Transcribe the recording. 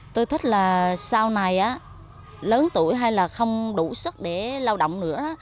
tôi thích là sau này lớn tuổi hay là không đủ sức để lao động nữa